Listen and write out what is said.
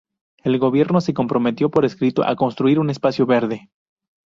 El gobierno se comprometió por escrito a construir un espacio verde.